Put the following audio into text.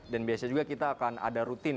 dan biasa juga kita akan ada rutin